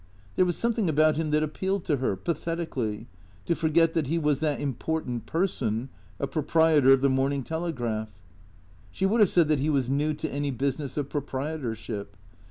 There was some ing about him that appealed to her, pathetically, to forget that he was that important person, a proprietor of the " Morning Telegraph." She would have said that he was new to any business of proprietorship.